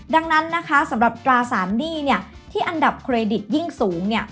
ดังนั้นนะคะสำหรับตราสารหนี้เนี่ยที่อันดับเครดิตยิ่งสูงเนี่ย